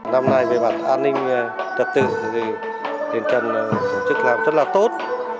năm nay về mặt an ninh trật tự thì điện trần tổ chức làm rất là tốt